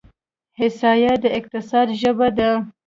احصایه د اقتصاد ژبه ده.